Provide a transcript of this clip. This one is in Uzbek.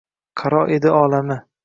Qaro edi olami.